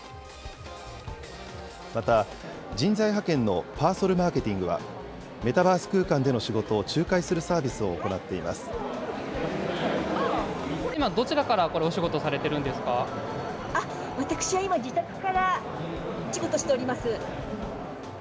また、人材派遣のパーソルマーケティングは、メタバース空間での仕事を仲介するサービスを行って今、どちらから、これお仕事あっ、私は今、自宅からお仕事しております。